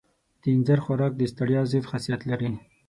د اینځر خوراک د ستړیا ضد خاصیت لري.